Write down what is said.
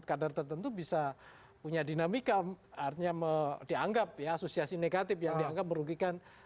jadi mungkin dalam kadar tertentu bisa punya dinamika artinya dianggap ya asosiasi negatif yang dianggap merugikan